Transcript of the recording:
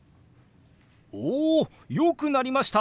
およくなりました！